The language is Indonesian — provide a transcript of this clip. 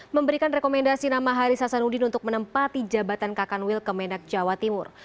memberikan rekomendasi nama haris hasanuddin untuk menempati jabatan kakanwil kemenak jawa timur